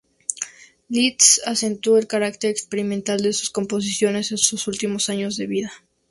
Liszt acentuó el carácter experimental de sus composiciones en sus últimos años de vida.